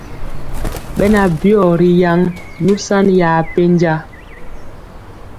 Beŋan byigɔ ri yaŋ nusani ya pɛnja.